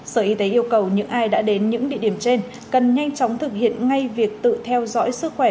sở y tế yêu cầu những ai đã đến những địa điểm trên cần nhanh chóng thực hiện ngay việc tự theo dõi sức khỏe